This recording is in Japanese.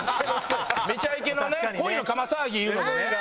『めちゃイケ』のね「恋のかま騒ぎ」いうのでね。